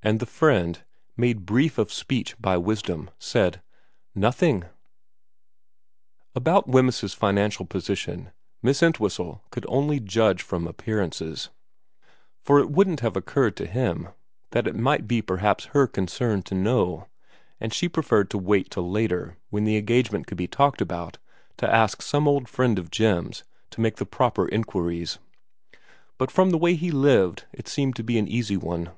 And the friend, made brief of speech by wisdom, said :' Nothing.' About Wemyss's financial position Miss Entwhistle could only judge from appearances, for it wouldn't have occurred to him that it might perhaps be her concern to know, and she preferred to wait till later, when the engagement could be talked about, to ask some old friend of Jim's to make the proper inquiries ; but from x VERA 105 the way he lived it seemed to be an easy one.